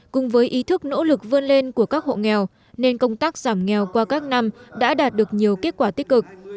cùng với ý thức nỗ lực vươn lên của các hộ nghèo nên công tác giảm nghèo qua các năm đã đạt được nhiều kết quả tích cực